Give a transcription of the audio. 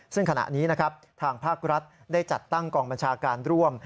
ซึ่งขณะนี้นะครับทางภาครัฐได้จัดตั้งกองบัญชาการร่วม